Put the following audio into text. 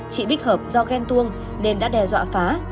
chị bích hợp do ghen tuông nên đã đe dọa phá